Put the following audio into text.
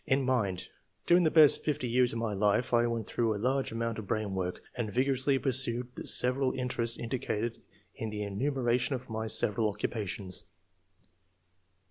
In mind — During the best fifty years of my life I went through a large amount of brain work, and vigorously pursued the several interests indicated in the enumeration of my several occupations.